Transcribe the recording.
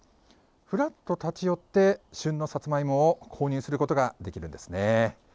ふらっと立ち寄って旬のさつまいもを購入することができるんですね。